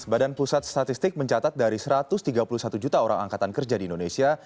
badan pusat statistik mencatat dari satu ratus tiga puluh satu juta orang angkatan kerja di indonesia